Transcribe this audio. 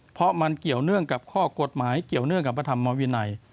เพราะมันเกี่ยวเนื่องกับข้อกฎหมายเกี่ยวเนื่องกับพระธรรมวินัย